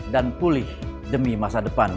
pulih demi masa depan